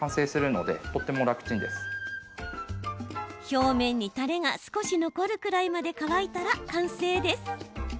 表面にたれが少し残るくらいまで乾いたら完成です。